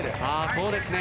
そうですね。